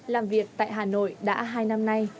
làm việc tại hà nội đã hai năm nay